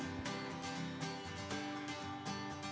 pembatasan jumlah maksimum penduduk